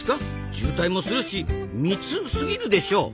渋滞もするし「密」すぎるでしょ！